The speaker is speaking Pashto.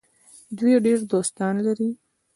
دوی ډیر دوستان لري.